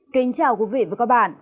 kính chào quý vị và các bạn